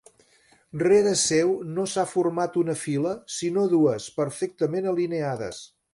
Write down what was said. Rere seu no s'ha format una fila, sinó dues, perfectament alineades.